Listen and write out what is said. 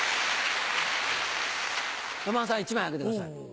山田さん１枚あげてください。